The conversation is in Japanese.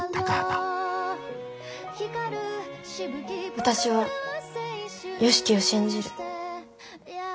私は良樹を信じる。